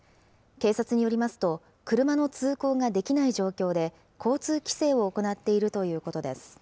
警察によりますと、車の通行ができない状況で、交通規制を行っているということです。